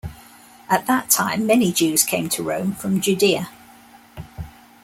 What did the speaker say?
At that time, many Jews came to Rome from Judea.